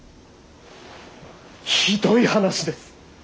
ひどい話です。